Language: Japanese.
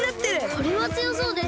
これはつよそうです！